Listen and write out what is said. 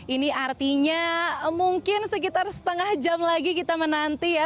ini artinya mungkin sekitar setengah jam lagi kita menanti ya